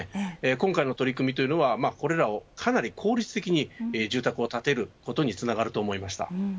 今回の取り組みはこれらをかなり効率的に住宅を建てることにつながると思いました。